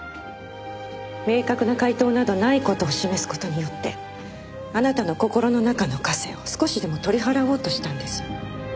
明確な解答などない事を示す事によってあなたの心の中の枷を少しでも取り払おうとしたんですよ。